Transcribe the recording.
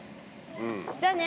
「じゃあね」。